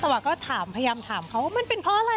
แต่ว่าก็ถามพยายามถามเขาว่ามันเป็นเพราะอะไร